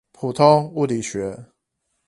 普通物理學